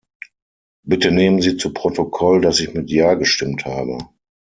Bitte nehmen Sie zu Protokoll, dass ich mit Ja gestimmt habe.